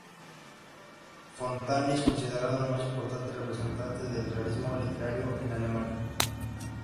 Fontane es considerado el más importante representante del realismo literario en Alemania.